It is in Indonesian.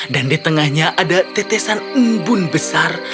dan di tengahnya ada tetesan umbun besar